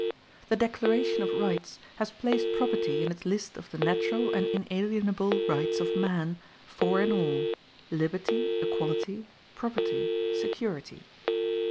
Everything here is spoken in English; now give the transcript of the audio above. The Declaration of Rights has placed property in its list of the natural and inalienable rights of man, four in all: LIBERTY, EQUALITY, PROPERTY, SECURITY.